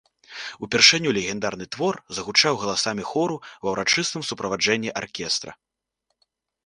Упершыню легендарны твор загучаў галасамі хору ва ўрачыстым суправаджэнні аркестра.